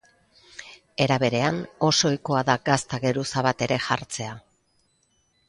Era berean, oso ohikoa da gazta geruza bat ere jartzea.